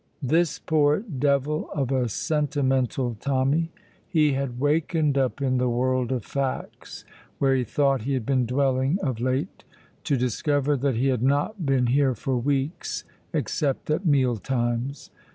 This poor devil of a Sentimental Tommy! He had wakened up in the world of facts, where he thought he had been dwelling of late, to discover that he had not been here for weeks, except at meal times.